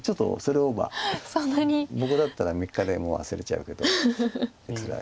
僕だったら３日でもう忘れちゃうけどつらい。